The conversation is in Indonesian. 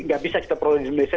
gak bisa kita progresi